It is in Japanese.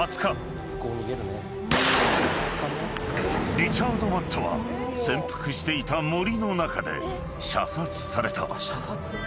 ・［リチャード・マットは潜伏していた森の中で射殺された］